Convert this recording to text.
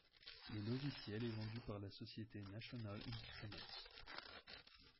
Le logiciel est vendu par la société National Instruments.